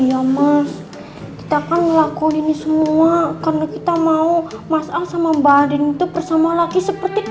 ya mas kita kan ngelakuin ini semua karena kita mau mas al sama mbak ading itu bersama laki seperti